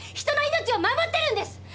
人の命を守ってるんです！